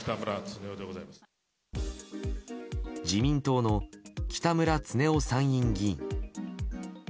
自民党の北村経夫参院議員。